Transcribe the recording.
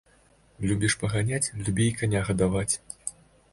Любіш паганяць, любі і каня гадаваць